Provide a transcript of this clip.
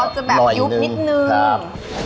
อ๋อเขาจะแบบยุบนิดนึง